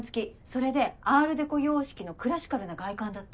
それでアールデコ様式のクラシカルな外観だって。